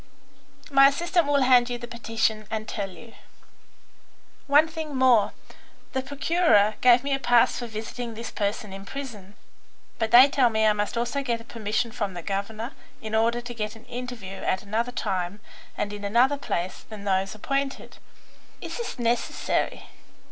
"My assistant will hand you the petition and tell you." "One thing more. The Procureur gave me a pass for visiting this person in prison, but they tell me I must also get a permission from the governor in order to get an interview at another time and in another place than those appointed. Is this necessary?"